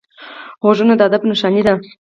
غوږونه د ادب نښانې دي